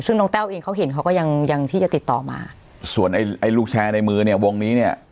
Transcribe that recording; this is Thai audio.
ซึ่งน้องแต้วเองเขาเห็นเขาก็ยังยังที่จะติดต่อมาส่วนไอ้ไอ้ลูกแชร์ในมือเนี่ยวงนี้เนี่ย